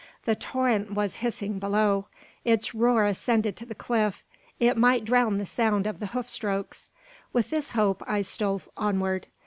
The torrent was hissing below. Its roar ascended to the cliff; it might drown the sound of the hoof strokes. With this hope I stole onward.